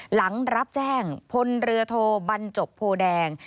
หลังรับแจ้งพลเรือโทบรรจบโพแดง